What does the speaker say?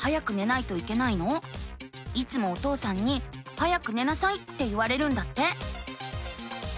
いつもお父さんに「早く寝なさい」って言われるんだって。